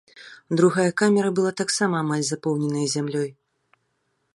Другая камера была таксама амаль запоўненая зямлёй.